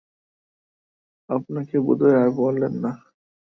আপনাকে বোধহয় আর বলেন না।